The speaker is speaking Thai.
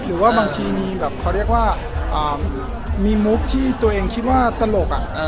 หรือว่าบางทีมีมุกที่ตัวเองคิดว่าตลก